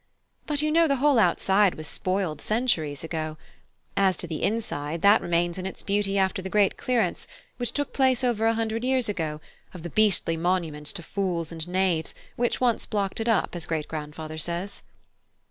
But you know the whole outside was spoiled centuries ago: as to the inside, that remains in its beauty after the great clearance, which took place over a hundred years ago, of the beastly monuments to fools and knaves, which once blocked it up, as great grandfather says."